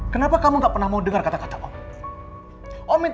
kenapa kamu gak pernah mau dengar kata kata om